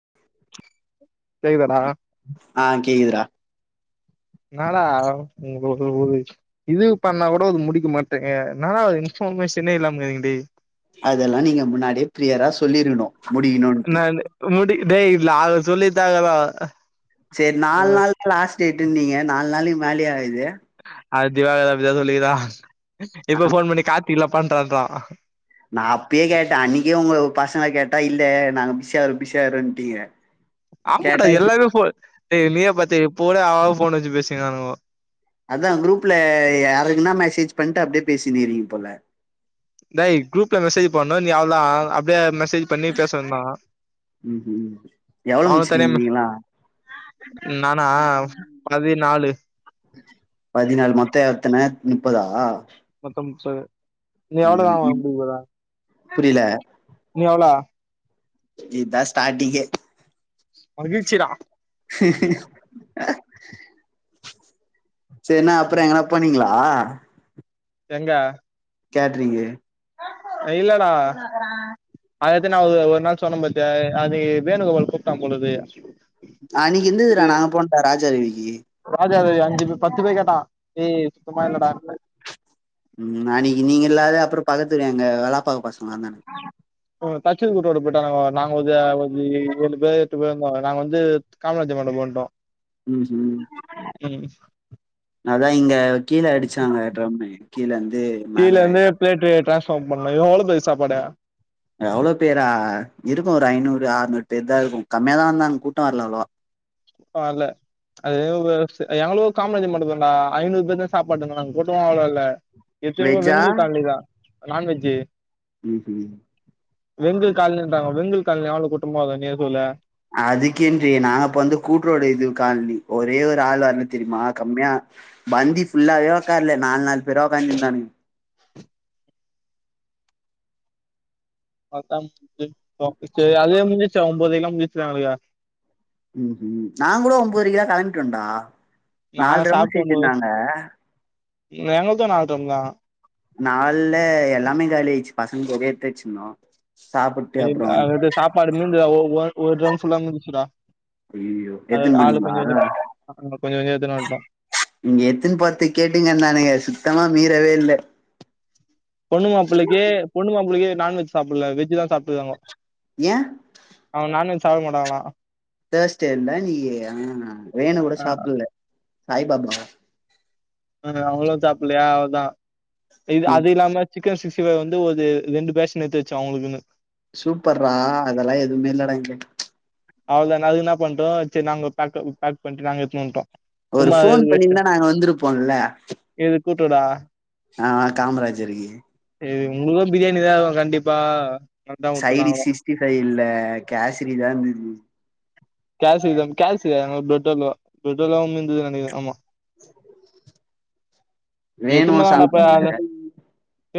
[inaudible] கேக்குதாடா ஆ கேக்குதுடா எனாடா ஒங்களுக்குள்ள ஓது இது பண்ணா கூட அது முடிக்க மாட்டேனா இன்ஃபர்மேஷனே இல்லாம இருக்குது அதல்லா நீங்க முன்னாடியே பிளியரா சொல்லிருக்கணு முடிகனூனு நானு முடி டேய் விளாட சொல்லி தாங்கடா சேர் நால் நாளு ப்ளாஸ் டேடுன்னீங்க நால் நாளைக்கு மேலயே ஆகுது அ திவாகர் அப்பிதா சொல்லிகிரா இப்ப ஃபோன் பண்ணி கார்த்தி இல்லப்பான்றாதா நா அப்பயே கேட்டே அன்னைக்கே ஒங்கள பசங்க கேட்டா இல்ல நாங்க பிஷியாரு பிஷாருகோன்டீங்க ஆமாடா எல்லாமே ஃபோ டேய் நீயே பாத்தியே போடா அவ ஃபோன் வச்சு பேசிகிறானுகோ அதா குரூப்ல யாருக்குனா மெசேஜ் பண்ணிட்டு அப்டியே பேசினீரிங்க போல டேய் குரூப்ல மெசேஜ் பண்ணணு நீ அவ்ளோதா அப்டியே மெசேஜ் பண்ணி பேசனுந்தா ம் ம் எவ்ளோ அவனு தனியா முடிச்சிருக்கீங்க மு நீங்களா நானா பதி நாலு பதினாலு மொத்தோ எத்தன முப்பதா மொத்தம் முப்பது நீ எவ்வளவுதா ம் வா இப் முடிக போற புரில நீ எவ்ளோ இதா ஸ்டாடிங்கே மகிழ்ச்சிடா சேர் னா அப்பற எங்கன பண்ணீங்களா எங்க கேட்ரிங்கு இல்லடா அதத்தா நா ஒரு ஒரு நாள் சொன்னே பாத்தியா அது வேணுகோபால் கூப்ட்டா போழுது அன்னக்கி இருந்ததுடா நாங்க போனாப்ப ராஜா ரவிக்கி ராஜா ரவி அஞ்சு பே பத்து பே கேட்டா ஏய் சுத்தமா இல்லடான்டே ம் அன்னக்கி நீங்க இல்லாதது அப்பறோ பக்கத்துல எங்க வேல பாக்க பசங்க வந்தானுங்க ஆ ஓ தச்சது குட்டோட போய்டாங்கடா நாங்க ஒத ஒது ஏழு பேர் எட்டு பேர் இருந்தோ நாங்க வந்து காமாஜி மண்டபோ வன்டோ ம் ம் ம் அதா இங்க கீழ அடுச்சாங்க ட்ரம்மு கீழ வந்து மேல எல்லாரு போய்ட்டு ட்ராஸ் ஓபன் பண்ல எவ்ளோ பாய் சாப்பாடு எவ்ளோ பேரா இருக்கு ஒரு ஐநூறு அறுநூறு பேர் தா இருக்கு கம்மியா தா வந்தாங்க கூட்டோ வர்ல அவ்ளவா வால்ல அது ஒர்ஸ் எங்களோ காமராஜர் மண்டபோண்டா ஐநூர் பேர்தா சாப்பாடுன் சொன்னாங்க கூட்டோலா அவ்ளோ இல்ல எட்த்தென்னவோ வெஜ்ஜா வெங்கில் கால்ணிதா நான்வெஜ்ஜு ம் ஹும் வெங்கல் கால்ணின் இர்ந்தாங்கோ வெங்கல் கால்ணி எவுளோ கூட்டமா இருக்கு நீயே சொல்ல அதுக்கேன்றியே நாங்க அப்ப வந்து கூட்றோடு இது கால்ணி ஒரே ஒரு ஆள்வர்னு தெரிமா கம்மியா பந்தி ஃபுல்லாவே உக்காலே நால் நால் பேரா உக்காந் இருந்தானுங்க பாத்தா [inaudible] ச்சு அதே முன்சுச்சு ஒன்பதேலா முன்சுச்சுதானுக ம் ஹும் நான் கூட ஒன்போதுரைக்குலா கழம்பிடோண்டா நால் நாங்க ட்ரமு செஞ்சிர்ந்தாங்க எங்கள்து நால் ட்ரம்தா நால்லே எல்லாமே காலி ஆய்ச்சு பசங் போக எட்த்வச்சிர்ந்தோ இல் அது இது சாப்பாடு மீந்ததாவோ ஓ ஒரு ட்ரம் ஃபுல்லா மீதுச்சுடா ஐயயோ அது எத்துன்னு ஆளுக் போனீங்களா கொஞ்சோண்டு கொஞ்சோ கொஞ்சோ எடுத்துன்வன்ட்டோ இங்க எத்துன் போர்த்துக் கேட்டீங்க நானுங்க சுத்தமா மீறவே இல்ல பொண்ணு மாப்ளைக்கே பொண்ணு மாப்ளைக்கே நான்வெஜ் சாப்புல வெஜ்ஜுதா சாப்ட்டுகாங்க ஏன் அவன் நான்வெஜ் சாப்பு மாட்டாங்களா தேர்ஸ்டேல நீ ஆ வேணு கூட அஹ் சாப்புல்ல சாய் பாபாவா அதா அவுங்குளு சாப்புலியா அவுள்தா இது ம் அது இல்லாம சிக்கன் சிக்ஸ்டி ஃபை வந்து ஒது ரெண்டு பேஷின் எட்த்து வச்சோ அவுங்ளுகுனு சூப்பர்ரா அதெல்லா எதுமே இல்லடா இங்க அவுள்தா நா அது இன்ன பண்ட்டோ செர் நாங்கோ பேக்கு பேக் பண்ட்டு நாங்க எட்த்துன் வன்ட்டோ ஒரு ஃபோன் பண்ணிர்ந்தா நாங்க வந்திருப்போல்ல இது கூத்துடா ஆ காமராஜர்க்கு ஏ உங்ளுக்கு பிரியாணிதாகு கண்டிப்பா அதான் விட்டோம் சைடி நாங்களும் சிக்ஸ்டிஃபை இல்ல கேசரி தா இருந்துது கேசரிதா கேல்சு எங்ளுக் பிரட் அல்வா பிரட் இல்லாம இர்ந்துது நெனைக்கிற ஆமா எதுமே வேணுவு வேணா அப்ப சாப்புட்ல அத்ல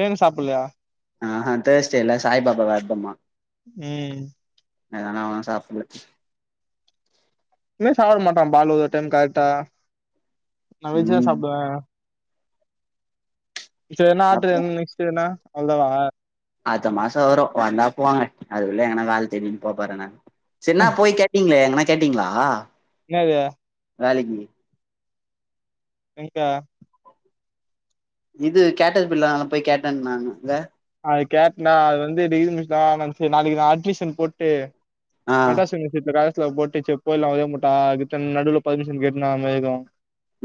ஏன் சாப்புல்ல ஆ ஹா தேர்ஸ்டேல சாய் பாபா வெர்தமா ம் அதுனால அவன் சாப்புல்ல ப்மே சாப்ட மாட்டான் பாலு ஒரு டைம் கர்ட்டா நா வெஜ்தா ம் சாப்டுவ சே என்ன ஆட்ரு அப்புறோ நெஸ்ட் எதுனா அவ்ல்தாவா அட்த்த மாசோ வரூ வந்தா போவே அதுக்குள்ள எங்கனா வேல தேடின் போபோற நானு டீம்ளே எங்கனா கேட்டீங்ளா என்னது வேலக்கி எங்க இது கேட்டது பில்லானால போய் கேட்டன் நானு ல்ல அது கேட்னா அது வந்து டேசுனுக்கா மந்த்சு நாளைக்கு நா அட்மிஷன் போட்டு ஆ மெட்ராஸ் யுனிவர்சிட்ல கரஸ்ல போட்டு செப்போ இல்ல அவய முட்டா ரிட்டன் நடுல பர்மிஷன் கேட்டு நாம எதூ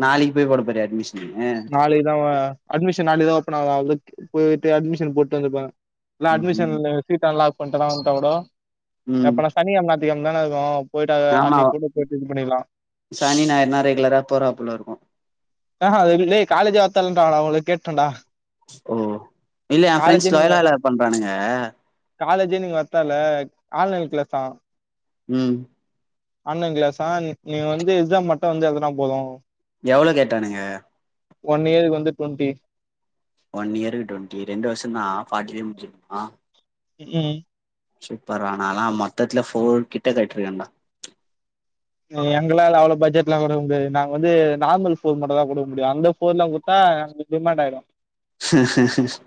நாளிக் போய் போட போறியா அட்மிஷுனு தாவ அட்மிஷன் நாள் எதோ ஓப்பன் ஆவுதா அவுளுக்கு போய்ட்டு அட்மிஷன் போட்டு வந்துர்பா இல்ல ம் அட்மிஷன்லு சீட் அன்லாக் பண்ட்டனா உட்டா கூடோ ம் எப்பனா சனிகெழ்ம் நாத்துகெழ்ம் தான இர்க்கு போய்ட்டாக ஆமா அன்னைக் கூட போய்ட்டு இது பண்ணிக்கலா சனி ஞாயிறுனா ரெகுலரா போறாப்புல இருக்கு அ ஹ்ம் லே காலேஜ் வரதேவ இல்லண்டாங்க அவுங்களு கேட்டன்டா ஓ இல்ல என் ஃப்ரெண்ட்ஸ் நீங்க லொயலால பண்றானுங்க காலேஜே நீங்க வர்தேவல்லா ஆன்லைன் க்ளாஸா ம் ஆன்லைன் க்ளேஸா நீங் நீங்க வந்து எக்ஸா மட்டு வந்து எழுதுனா போது எவ்ளோ கேட்டானுங்க ஒன் இயர்க்கு வந்து டென்ட்டி ஒன் இயர்க்கு டுவன்ட்டி ரெண்டு வர்ஷோதா ஃபார்ட்டிலியே முடிச்சு இருக்குமா ம் ம் சூப்பர்ர நாலா மொத்தத்துல ஃபோர் கிட்ட கட்டிருக்கண்டா ம் எங்களால அவ்ள பட்ஜட்லா குடுக்க முடியாது நாங்க வந்து நார்மல் ஃபோ மட்டுதா குடுக்க முடியு அந்த ஃபோர்லா குட் ஆ அப்டி டிமாண்ட் ஆயிடு ஹஸ்ஸ்ஸ்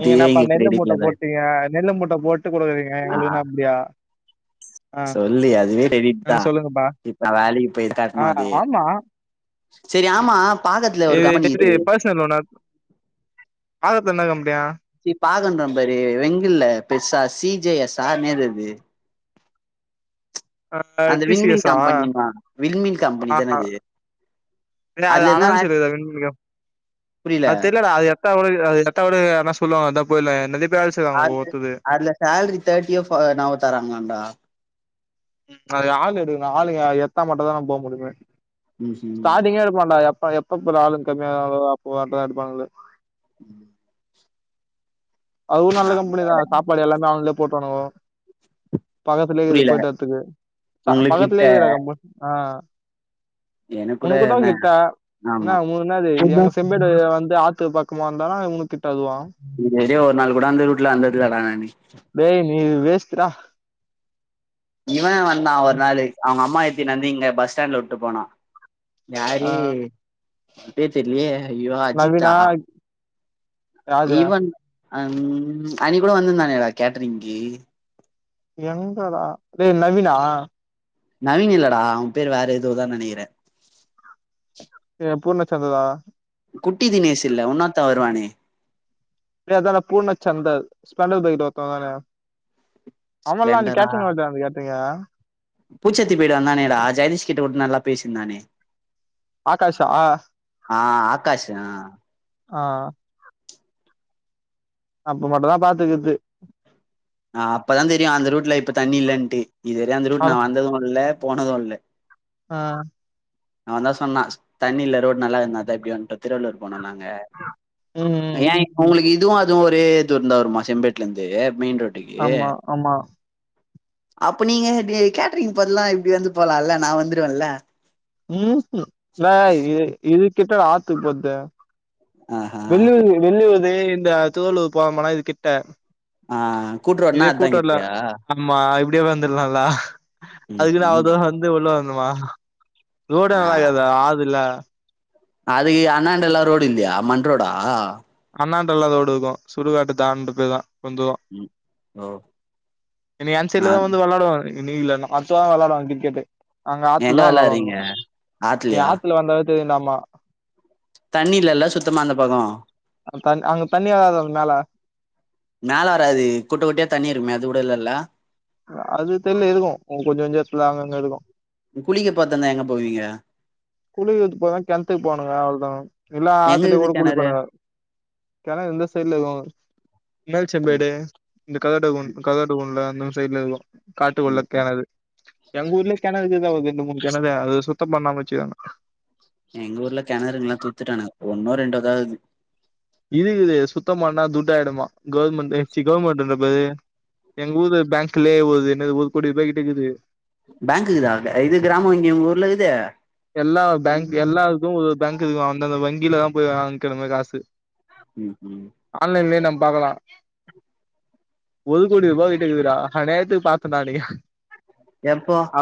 நீங்க என்னப்பா நெல்லு மூட்ட போட்டீங்க நெல்லு மூட்ட போட்டு குடுக்குறீங்க எங்களுக்குன அப்டியா ஆ சொல்லி அதுவே டெலீட் ஆ தா சொல்லுங்கப்பா இப்ப நா வேலைக்கு போய் ஆ கேட்டுனு அதே ஆமா செரி ஆமா பாகத்துல ஒரு கம்பெனி இரு [inaudible] சொல்லோனக்கு பாகத்து என்ன கம்பெடியா சி [unintelligible] வெங்குல்ல பெசா சி ஜே எஸ்ஸா என்னெது அது ஆ அந்த டி சி வீண்மீல் எஸ் ஆ கம்பெனி மா வீண்மீல் கம்பெனி ஆ தான அது அதுல என்ன வேல [unintelligible] புரியல அது தெர்லட அது எர்த்தா [inaudible] எர்த்தவுட யார்னா சொல்லுவங்க அதா போயல நெறய பேரு வேல செய்வாங்க உங்க ஒட்டலு சல்ரி தேர்ட்டியே ஃப் அ என்னவோ தராங்லண்ட ம் அது ஆளு எடுக்குனு ஆளு எத்தா மட்டு தா நா போ முடியுமே ம் ம் ஸ்டாரிங்கே [unintelligible] எப்ப எப்ப ஆளுங் கம்மிய அப்ப மட்டு தா எடுப்பாங்களே ம் அதுவு நல்ல கம்பெனி தா சாப்பாடு எல்லாமே அவுங்களே போட்டுவணுவோ பக்கத்துலே இக்குது புரியல போய்ட்டு வர்துக்கு ப உங்களுக்கு பக்கத்துலே கிட்ட இருக்குதாட கம்பென் ஆ எனக்கு கூட உனக்கு தா என்ன கிட்டா என்ன ஆமா மு என்னது எங்க செம்பேடு வந்து ஆத்து பக் க்கு வந்தானா உங்களுக் கிட்ட அதுவா இதுவறியு ஒரு நாள் கூட அந்த ரூட்டுல வந்தில்லட நானு டேய் நீ வேஷ்டுடா இவ வந்தா ஒரு நாளு அவுங்க அம்மா எத்தின் வந்து இங்க பஸ் ஸ்டாண்ட்ல விட்டு போனா ஆ யாரு பேர் தெர்லியே அய்யோ அஜித்தா நவீனா அது இவன் அன் அன்னிக்கு கூட வந்திருந்தானேட கேட்டரிங்க்கி எங்கடா டே நவீனா நவீன் இல்லடா அவ பேர் வேற ஏதோதா நெனைக்கிறே ஏ பூர்ணச்சந்தரா குட்டி தினேஸ்சு இல்ல உன்னாத்தாவ வருவானே டே அதாடா பூர்ண சந்தர் ஸ்பெண்டர் பைகில ஒருத்தன் வந்தானே ஆவல்லா அந்த ஸ்ப்ளெண்டரா கேட்ரீங்க [unintelligible] அந்த கேட்ரீங்க பூச்சத்தி போடு வந்தானேடா ஜெயதீஷ் கிட்ட கூட நல்லா பேசிருந்தானே ஆகாஷ்ஷா ஆ ஆகாஷ் ஆ ஆ அப்ப மட்டு தா பாத்துக்குது ஆ அப்பதா தெரியு அந்த ரூட்ல இப்ப தண்ணி இல்லன்ட்டு இது வரையு அந்த ரூட் அத நா வந்தது இல்ல போனது இல்ல ஆ அவந்தா சொன்னா தண்ணியில ரோடு நல்லா இருந்தாதா இப்படி வந்துட்டோ திருவள்ளூர் போனோ நாங்க உம் ஏ உங்களுக்கு இதுவு அதுவு ஒரே தூரந்தா வருமா செம்பேட்ல இருந்து மெயின் ரோட் ஆமா ஆமா அப்ப நீங்க கேட்டரிங் பதுல்லா இப்படி வந்து போகலால்ல நா வந்துருவேல உம் ந இ இது கிட்ட ஆத்து போரது ஆஹா வெள்ளது வெள்ளுவது இந்த தோலு போவம்னா இது கிட்ட ஆ கூட்றோடனா இதே கூட்டோ இல்ல அந்தங்கிட்டியா ஆமா இப்படியே வந்துரலாம்ல ம் அதுக்குதா அவ்வுளோ ம் தூர வந்து உள்ள வருனுமா ரோடு நல்லது ஆதுல அதுக்கு அண்ணாண்ட எல்லா ரோடு இல்லையா மண் ரோடா அண்ணாட்டுல்லா ரோடு இருக்கு சுடுகாட்டு தான்டண்டு போய் தா கொஞ்சு ம் ஓ இனி நா அன்சைடுல தா வந்து வெளாடுவோ இன்னிக்கு இல்லேனா அடுத்த வாரோ விளையாடுவாங்க கிரிக்கெட்டு் அங்க ஆத்துல எங்க தா விளையாடுவாங்க வெளாட்றீங்க ஆத்துலயா கிரிக்கெட்டு சேரி நாமா தண்ணி இல்லல்ல சுத்தமா அந்த பக்கோ தண் அங்க தண்ணி வராதா மேல மேலே வராது குட்ட குட்டயா தண்ணி இருக்குமே அது கூட இல்லல்ல அது தெர்ல எதுக்கு கொஞ்சோ கொஞ்சோ எடத்துல அங்க அங்க இருக்கு குளிக்க பாத்தந்தா எங்க போவீங்க குளிக்கிறத்துக்கு பாத்திங்கெனா கெணத்துக்கு போனுங்க அவ்வளதா இல்ல எங்க ஆத்துலயே இக்குது கூட கெணறு குளிப்பே நானு கெணறு இந்த சைடுல இருக்குவ மேல் ம் செம்மேடு இந்த ம் [unintelligible] அந்த சைடுல இருக்கு காட்டுக்குள்ள ம் ம் கெணறு எங்க ஊர்லயு கெணறு இக்குதாவது ரெண்டு மூணு கெணறு அது சுத்தோ பண்ணாம வச்சுருக்காங்க எங்க ஊர்ல கெணறுங்க எல்லா தூத்துட்டானுங்க ஒன்னோ ரெண்டோதா இக்குது இருக்குது சுத்தோ பண்ணா துட்டு ஆகிடுமா கவர்மெண்ட் கவர்மெண்டுன்றே பாரு எங்க ஊரு பேங்க்லே ஒரு இது ஒரு கோடி ரூபாய்கிட்ட இருக்குது பேங்க் இக்குதா இது கிராம இங்க உங்க ஊர்ல இருக்குது எல்லா பேங்க் எல்லா இதுவு ஒரு பேங்க் இருக்கு அந்த அந்த வங்கிலதா போயி வாங்கிக்கனு நம்ம காசு [unintelligible] ஆன்லைன்லேயே நம்ம பாக்கலா ஒரு கோடி ரூபா கிட்ட இருக்குதுடா அநியாயத்துக்கு பாத்தேன்டா நா அன்னைக்கு எப்போ ஆ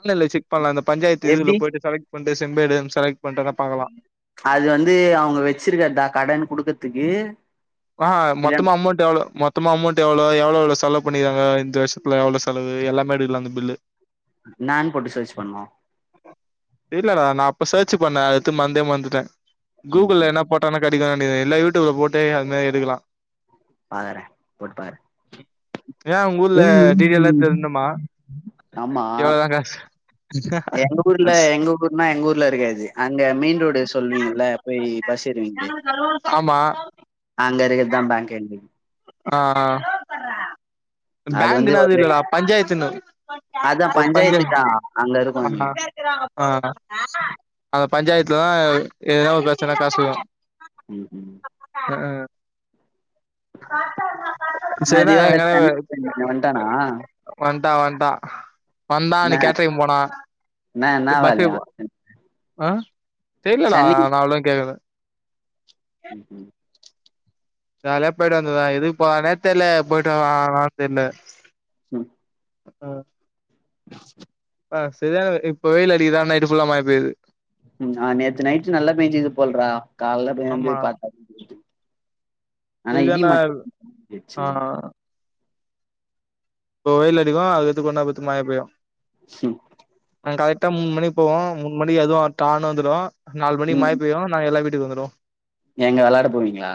இல்ல இல்ல செக் பண்லா அந்த பஞ்சாயத்து இதுகுல்ல எப்டி போயிட்டு செலெக்ட் பண்ட்டு செம்பேடு செலக்ட் பண்ட்டு வேனா பாக்கலா அது வந்து அவுங்க வச்சிருக்கதா கடன் குடுக்கரதுக்கு ஆ மொத்தமா அமௌண்ட் எவ்வளோ மொத் மொத்தமா அமௌண்ட் எவ்வளோ எவ்வளோ எவ்வளோ செலவு பண்ணிருக்காங்க இந்த வருஷத்துல எவ்வளோ செலவு எல்லாமே எடுக்கலா அந்த பில்லு என்னானு போட்டு சர்ச்சு பண்ணணு தெரிலடா நா அப்ப சர்ச் பண்ணே அடுத்து மரந்தே மறந்துட்டே ம் கூகுள்ள ம் வேனா போட்டானா கெடைக்குனு நெனைக்கே இல்ல யூடியூப் போட்டா அது மாரி எடுக்லா பாக்குற போட்டு பாக்குற ஏ உங்க ஊர்ல டீட்டெயிலா தெரினுமா ஆமா எவ்ளோதா காசு எங்க ஊர்ல எங்க ஊருனா எங்க ஊர்ல இருக்காது அங்க மெயின் ரோடு சொல்லுவீங்கல்ல போய் பஸ் ஏறுவீங்களே ஆமா அங்க இருக்குறதா பேங்க் எங்களுக்கு ஆ வந்து பேங்க்னா அது ஒரு இல்லடா பஞ்சாயத்துன்னுது அதா ஒரு பஞ்சாயத்து பஞ்சாயத்துக்குதா அங்க இருக்கு எங்களுக்கு ஆ அந்த பஞ்சாயத்துலதா எதாவது ஒரு பிரச்சனனா காசுவ ம் ம் ஆ என்ன சரிதா திவாகர் தண்ணிக் போயிருந்தானே வன்ட்டானா வண்ட்டா வண்ட்டா வந்தான் என்ன அன்னைக்கு கேட்டரிங் போனா என்ன என்ன இப்ப பஸ்க்கு வேலையா ஆ தெர்லலடா சென்னை நா அவ்ளவா கேக்ல ம் ம் ஜாலியா போய்ட்டு வந்துருவா எதுக்கு போவானே தெர்ல போய்ட்டு [unintelligible] தெர்ல உம் ஆ ஆ சரியான இப்ப வெயில் அடிக்குதா நைட்டு ஃபுல்லா மழ பெய்யுது ஆ நேத்து நைட்டு் நல்லா பேஞ்சுது போல்றா காலைல போய் எழுந்து ஆமா பாத்த இது என்னல் ஆ விழுந்துச்சு இப்போவெயில் அடிக்கு அதுக்கத்து கொன்நேர பொர்த்து மழ பேயு ஸ்ம் நாங்க கரெக்டா மூணு மணிக்கு போவோ மூணு மணி அதுவு டான்னு வந்துடு நாலு மணிக்கு மழ ம் பெய்யு நாங்க எல்லா வீட்டுக்கு வந்துருவோ எங்க விளாட போவீங்களா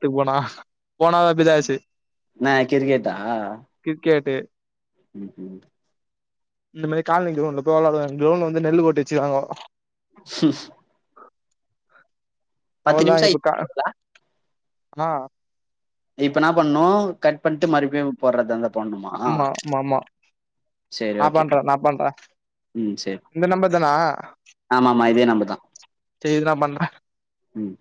வீட்டுபோனா போனா அப் இதாய்ச்சு என்ன கிரிக்கட்டா கிரிக்கேட்டு [inaudible] இந்த மாரி காலனி கிரவுன்ட்ல போய் வெளாடுவ கிரவுன்ட்ல வந்து நெல்லு போட்டு வச்சுருக்காங்கோ ஸ்உஸ் பத்து அவதா நிமிஷம் ஆயி இப்பு கா ஆ இப்பன்னா பண்ணு கட் பண்ணிட்டு மறுபியு போடுறதுந்தா போட்ணுமா ஆமா ஆமா ஆமா சரி நா ஓகே பண்றே நா பண்றே ம் சர் இந்த நம்பர் தானா இதே நம்பர்தா சரிஇரு நா பண்ற ம்